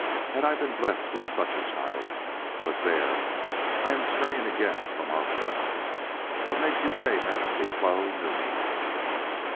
Had I been blessed with such a child But there, I am straying again from our point. What makes you say Madame Duclos knew me?"